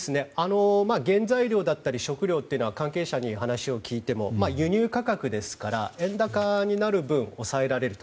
原材料だったり食料は関係者に話を聞いても輸入価格ですから円高になる分抑えられると。